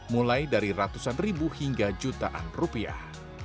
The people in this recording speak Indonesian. mulai dari ratusan ribu hingga jutaan rupiah